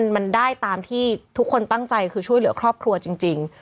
มันได้ตามที่ทุกคนตั้งใจคือช่วยเหลือครอบครัวจริง